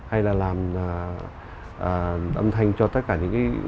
hay là làm âm thanh cho tất cả những cái